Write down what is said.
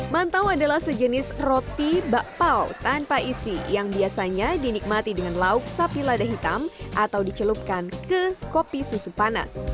mantau adalah sejenis roti bakpao tanpa isi yang biasanya dinikmati dengan lauk sapi lada hitam atau dicelupkan ke kopi susu panas